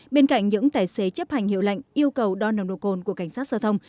bên cạnh những tài xế chấp hành hiệu lệnh yêu cầu đo nồng độ cồn của cảnh sát giao thông